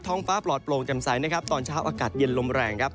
ท้องฟ้าปลอดปลงจำใสตอนเช้าอากาศเย็นลมแรง